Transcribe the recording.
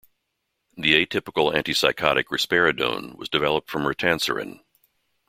The atypical antipsychotic risperidone was developed from ritanserin.